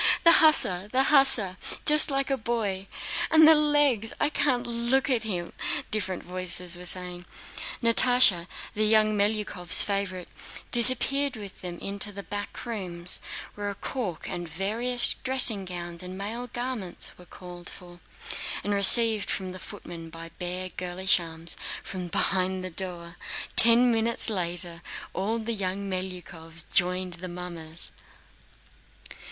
The hussar, the hussar! Just like a boy! And the legs!... I can't look at him..." different voices were saying. Natásha, the young Melyukóvs' favorite, disappeared with them into the back rooms where a cork and various dressing gowns and male garments were called for and received from the footman by bare girlish arms from behind the door. Ten minutes later, all the young Melyukóvs joined the mummers.